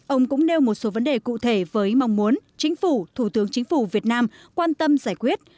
ông cũng nêu một số vấn đề cụ thể với mong muốn chính phủ thủ tướng chính phủ việt nam quan tâm giải quyết